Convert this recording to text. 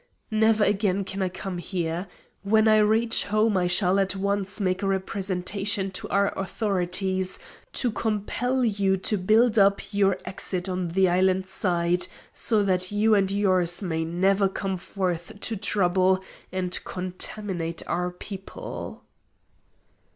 "Never again can I come here. When I reach home I shall at once make a representation to our authorities to compel you to build up your exit on the island side, so that you and yours may never come forth to trouble and contaminate our people."